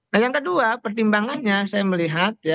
nah yang kedua pertimbangannya saya melihat